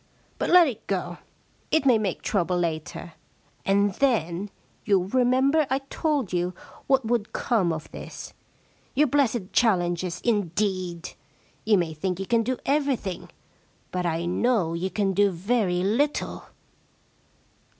But let it go — it may make trouble later, and then you'll" remember I told you what would come 139 The Problem Club of this. Your blessed challenges, indeed ! You may think you can do everything, but I know you can do very little.'